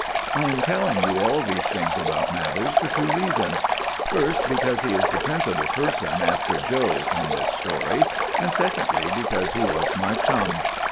I am telling you all these things about Mathers for two reasons. First, because he is the principal person, after 'Joe,' in this story, and secondly, because he was my chum.